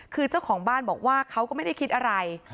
คือเจ้าของบ้านบอกว่าเขาก็ไม่ได้คิดอะไร